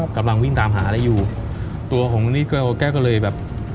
กำลังวิ่งตามหาอะไรอยู่ตัวของนี่ก็แกก็เลยแบบ